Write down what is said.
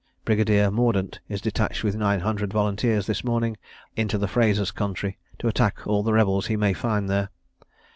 Brigadier Mordaunt is detached with nine hundred volunteers this morning into the Frasers' country, to attack all the rebels he may find there.